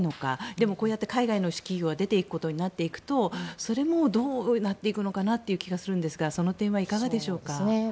でも、こうやって海外の企業が出ていくことになるとそれもどうなっていくのかなという気がするんですがその点はいかがでしょうか？